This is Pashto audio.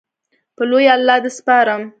په لوی الله دې سپارم